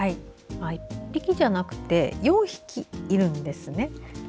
１匹じゃなくて４匹いるんですね。